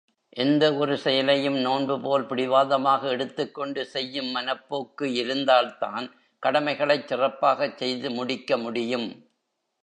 எந்த ஒரு செயலையும் நோன்புபோல் பிடிவாதமாக எடுத்துக்கொண்டு செய்யும் மனப்போக்கு இருந்தால்தான் கடமைகளைச் சிறப்பாகச் செய்து முடிக்க முடியும்.